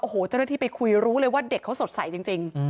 โอ้โหเจ้าหน้าที่ไปคุยรู้เลยว่าเด็กเขาสดใสจริง